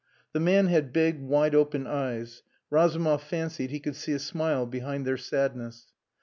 The man had big, wide open eyes. Razumov fancied he could see a smile behind their sadness.